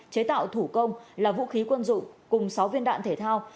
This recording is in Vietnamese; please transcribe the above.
chế tạo thủ công là vũ khí quân dụng cùng sáu viên đạn thể thao